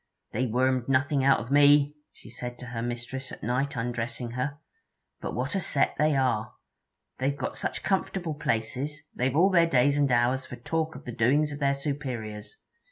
'They wormed nothing out of me,' she said to her mistress at night, undressing her. 'But what a set they are! They've got such comfortable places, they've all their days and hours for talk of the doings of their superiors.